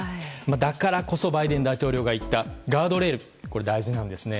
だからこそバイデン大統領が言ったガードレールが大事なんですね。